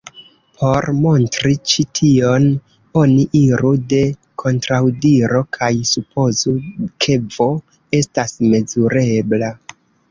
Por montri ĉi tion, oni iru de kontraŭdiro kaj supozu ke "V" estas mezurebla.